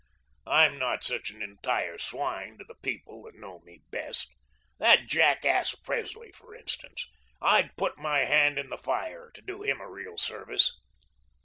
I'm not such an entire swine to the people that know me best that jackass, Presley, for instance. I'd put my hand in the fire to do him a real service.